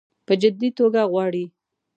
په جدي توګه غواړي.